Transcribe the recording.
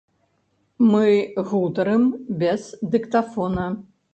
Мы гутарым без дыктафона.